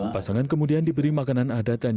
pasangan kemudian diberi makanan adat dan